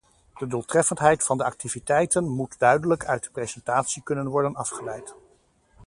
De doeltreffendheid van de activiteiten moet duidelijk uit de presentatie kunnen worden afgeleid.